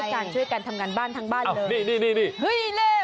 ช่วยกันช่วยกันทำงานบ้านทั้งบ้านเลย